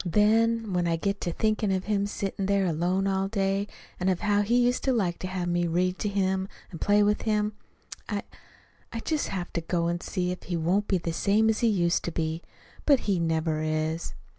Then, when I get to thinking of him sitting there alone all day, and of how he used to like to have me read to him and play with him, I I just have to go and see if he won't be the same as he used to be. But he never is."